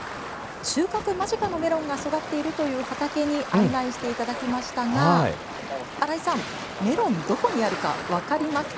収穫間近のメロンが育っているという畑に案内していただきましたが、新井さん、メロン、どこにあるか分かりますか？